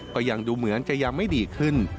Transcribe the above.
ก็ยังดูเหมือนจะยังไม่ดีขึ้น